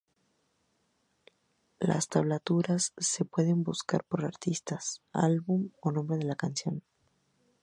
Las tablaturas se pueden buscar por artista, álbum o nombre de la canción.